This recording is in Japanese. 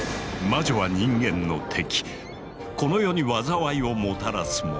魔女は人間の敵この世に災いをもたらす者。